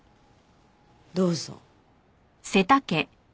どうぞ。